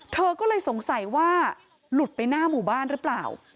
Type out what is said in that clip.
เธอก็เลยสงสัยว่าหลุดไปหน้าหมู่บ้านหรือเปล่า